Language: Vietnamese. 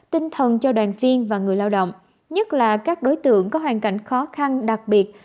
tinh thần cho đoàn viên và người lao động nhất là các đối tượng có hoàn cảnh khó khăn đặc biệt